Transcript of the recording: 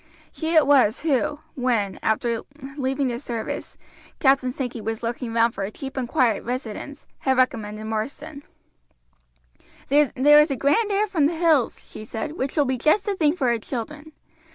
She it was who, when, after leaving the service, Captain Sankey was looking round for a cheap and quiet residence, had recommended Marsden. "There is a grand air from the hills," she said, "which will be just the thing for the children.